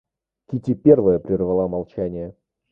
Кити первая прервала молчание.